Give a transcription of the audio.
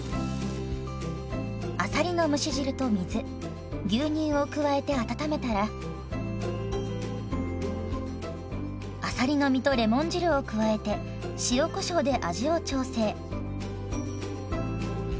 あさりの蒸し汁と水牛乳を加えて温めたらあさりの身とレモン汁を加えて塩こしょうで味を調整。